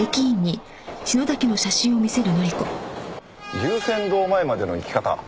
龍泉洞前までの行き方？